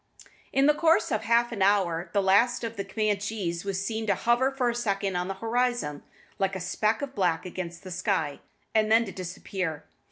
In the course of half an hour the last of the Camanchees was seen to hover for a second on the horizon, like a speck of black against the sky, and then to disappear.